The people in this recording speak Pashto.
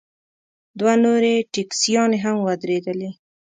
دوه نورې ټیکسیانې هم ودرېدلې.